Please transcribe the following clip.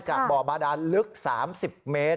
บ่อบาดานลึก๓๐เมตร